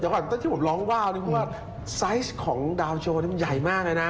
เดี๋ยวก่อนตอนที่ผมร้องว่าคือว่าไซส์ของดาวโจรมันใหญ่มากเลยนะ